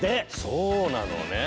そうなのね。